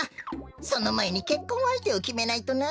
そのまえにけっこんあいてをきめないとな。